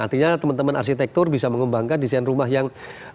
artinya teman teman arsitektur bisa mengembangkan desain rumah yang